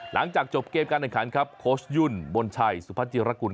หลังจากจบเกมการแข่งขันครับโค้ชยุ่นบนชัยสุพัชิรกุล